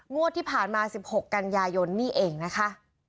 งวดที่ผ่านมา๑๖กันยายนนี่เองนะคะ